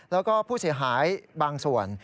แล้วก็ผู้เสียหายบางส่วน